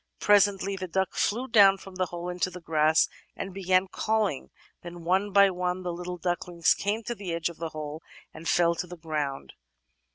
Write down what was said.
"Presently the duck flew down from the hole into the grass, and began calling; then one by one the little ducklings came to the edge of the hole and fell to the grotmd.